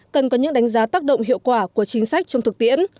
cần có những đánh giá tác động hiệu quả của chính sách trong thực tiễn